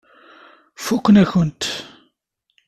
Fakken-ak-ten.